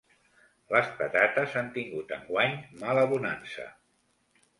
Les patates han tingut enguany malabonança.